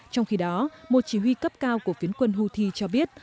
trong khi đó một chỉ huy cấp cao của phiến quân houthi cho biết